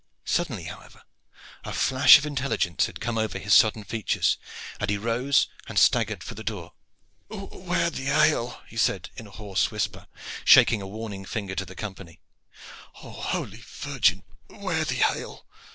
Suddenly, however, a flash of intelligence had come over his sodden features, and he rose and staggered for the door. "'Ware the ale!" he said in a hoarse whisper, shaking a warning finger at the company. "Oh, holy Virgin, 'ware the ale!"